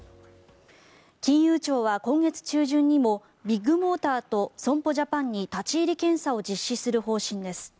金融庁は今月中旬にもビッグモーターと損保ジャパンに立ち入り検査を実施する方針です。